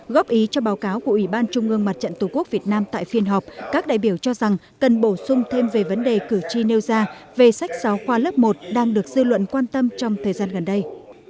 góp ý cho báo cáo của ủy ban trung ương mặt trận tổ quốc việt nam tại phiên họp các đại biểu cho rằng cần bổ sung thêm về vấn đề cử tri nêu ra về sách giáo khoa lớp một đang được dư luận quan tâm trong thời gian gần đây